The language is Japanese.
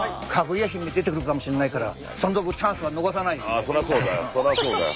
ああそりゃそうだよ。